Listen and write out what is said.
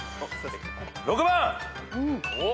６番！